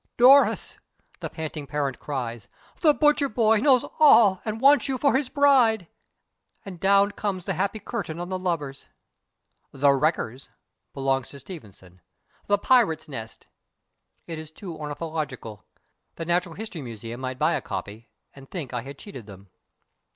"Doris," the panting parent cries, "the butcher boy knows all and wants you for his bride." And down comes the happy curtain on the lovers. The Wreckers belongs to Stevenson. The Pirates' Nest! It is too ornithological. The Natural History Museum might buy a copy and think I had cheated them.